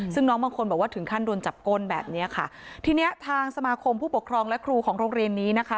ซึ่งน้องบางคนบอกว่าถึงขั้นโดนจับก้นแบบเนี้ยค่ะทีเนี้ยทางสมาคมผู้ปกครองและครูของโรงเรียนนี้นะคะ